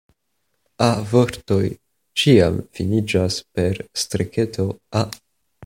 A-vortoj ĉiam finiĝas per "-a".